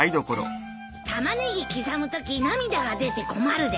タマネギ刻むとき涙が出て困るでしょ？